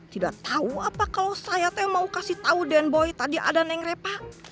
tidak tau apa kalau saya teh mau kasih tau dian boy tadi ada yang repa